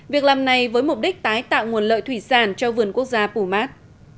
việc làm này với mục đích tái tạo nguồn lợi thủy sản cho vườn quốc gia pumat